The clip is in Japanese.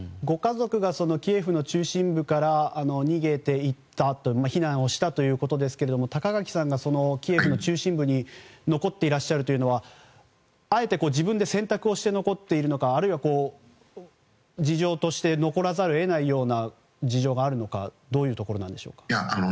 ご家族がキエフの中心部から避難したということですけども高垣さんがキエフの中心部に残っていらっしゃるというのはあえて自分で選択をして残っているのかあるいは、事情として残らざるを得ないような事情があるのかどういうところなんでしょうか。